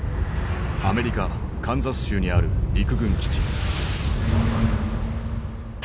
アメリカカンザス州にある陸軍基地。